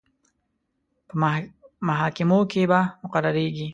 په محاکمو کې به مقرریږي.